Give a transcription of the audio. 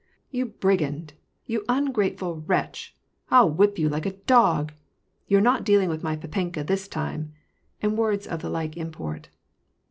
" You brigand, you ungrateful wretch !— I'll whip you like a dog !— You're not dealing with my pdpenka this time," and words of the like import.